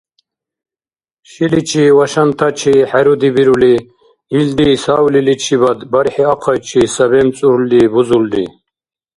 Шиличи ва шантачи хӀеруди бирули, илди савлиличибад бархӀи ахъайчи сабемцӀурли бузулри.